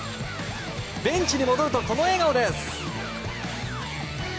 ベンチに戻ると、この笑顔。